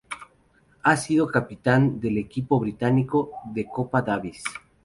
Ha sido capitán del equipo británico de Copa Davis